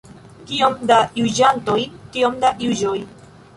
Kiom da juĝantoj, tiom da juĝoj.